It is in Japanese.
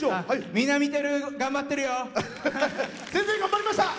みんな見てる？頑張ってるよ！